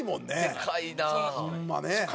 でかいな！